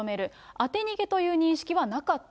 当て逃げという認識はなかった。